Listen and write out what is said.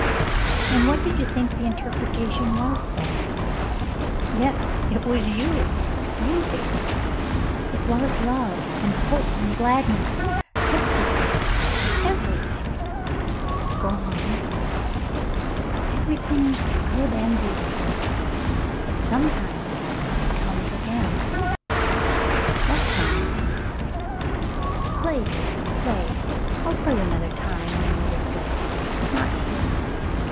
'* "And what did you think the interpretation was then ?'' "Yes, it was you — you, David. It was love — and hope — and gladness — everything, everything —" "Goon." "Everything good and beautiful — but — sometimes it comes again —"" What comes .?^" "Play, David, play. I'll tell you another time in an other place, not here.